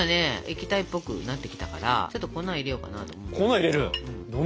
液体っぽくなってきたからちょっと粉入れようかなと思うんだけど。